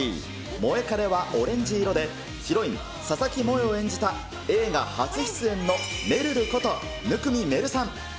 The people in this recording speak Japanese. モエカレはオレンジ色で、ヒロイン、佐々木萌衣を演じた、映画初出演のめるること、生見愛瑠さん。